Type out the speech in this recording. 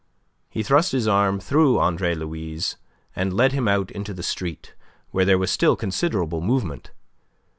He thrust his arm through Andre Louis', and led him out into the street, where there was still considerable movement.